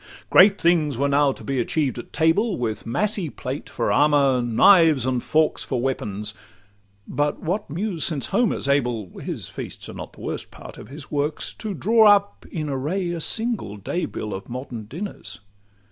Great things were now to be achieved at table, With massy plate for armour, knives and forks For weapons; but what Muse since Homer 's able (His feasts are not the worst part of his works) To draw up in array a single day bill Of modern dinners?